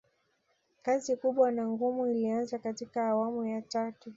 kazi kubwa na ngumu ilianzia katika awamu ya tatu